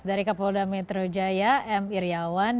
dari kapolda metro jaya m iryawan